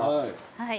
はい。